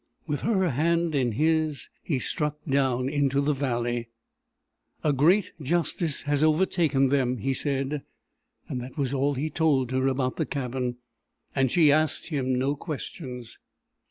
With her hand in his he struck down into the valley. "A great justice has overtaken them," he said, and that was all he told her about the cabin, and she asked him no questions.